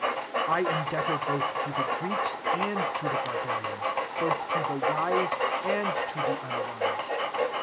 14 I am debtor both to the Greeks and to the barbarians ; both to the wise and to the unwise.